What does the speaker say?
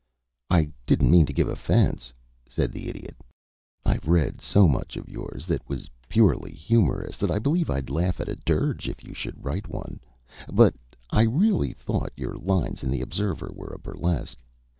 "I didn't mean to give offence," said the Idiot. "I've read so much of yours that was purely humorous that I believe I'd laugh at a dirge if you should write one; but I really thought your lines in the Observer were a burlesque.